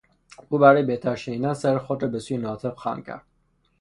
او برای بهتر شنیدن سر خود را به سوی ناطق خم کرد.